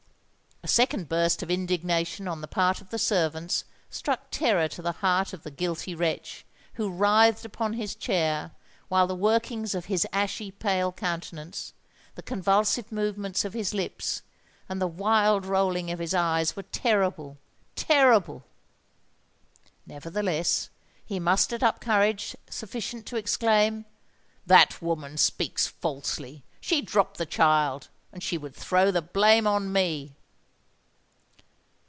A second burst of indignation on the part of the servants struck terror to the heart of the guilty wretch, who writhed upon his chair; while the workings of his ashy pale countenance—the convulsive movements of his lips—and the wild rolling of his eyes, were terrible—terrible! Nevertheless he mustered up courage sufficient to exclaim, "That woman speaks falsely! She dropped the child—and she would throw the blame on me!"